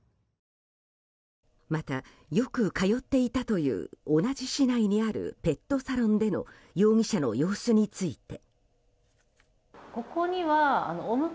また、よく通っていたという同じ市内にあるペットサロンでの容疑者の様子について。